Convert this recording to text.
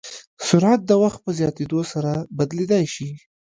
سرعت د وخت په زیاتېدو سره بدلېدای شي.